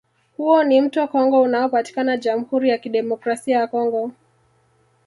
Huo ni mto Congo unaopatikana Jamhuri ya Kidemokrasia ya Congo